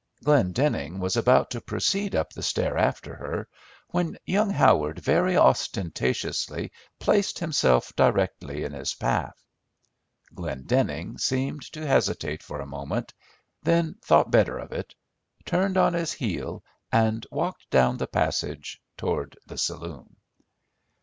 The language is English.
Glendenning was about to proceed up the stair after her, when young Howard very ostentatiously placed himself directly in his path. Glendenning seemed to hesitate for a moment, then thought better of it, turned on his heel and walked down the passage towards the saloon.